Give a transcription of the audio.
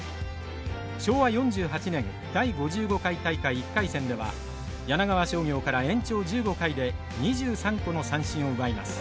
昭和４８年第５５回大会１回戦では柳川商業から延長１５回で２３個の三振を奪います。